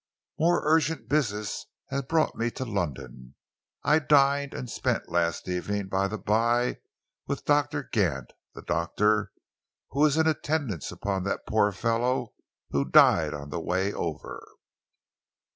"More urgent business brought me to London. I dined and spent last evening, by the by, with Doctor Gant the doctor who was in attendance upon that poor fellow who died on the way over."